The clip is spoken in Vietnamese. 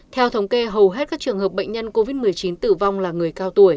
theo thống kê hầu hết các trường hợp bệnh nhân covid một mươi chín tử vong là người cao tuổi